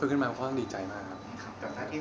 แล้วในการฝักแพ้ความที่สำหรับของครอบครัวหลังจากนี้